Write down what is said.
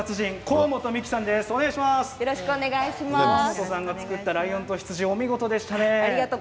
河本さんが作ったライオンと羊お見事でしたね。